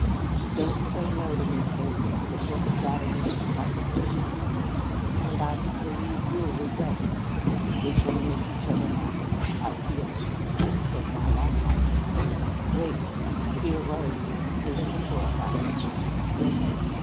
Don't say no to me, Kate. It will shatter me like an earthquake. And I believe you'll regret it, too. We can make each other happy. I feel it! I'd stake my life on it. Wait " He arose and paced the floor back and forth.